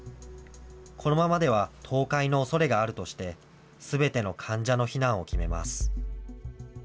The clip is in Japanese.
このままでは倒壊のおそれがあるとして、すべての患者の避難を決めます。